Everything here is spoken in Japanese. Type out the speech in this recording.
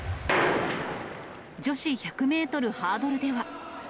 女子１００メートルハードルでは。